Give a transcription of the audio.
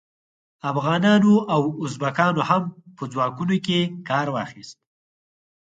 افغانانو او ازبکانو هم په ځواکونو کې کار واخیست.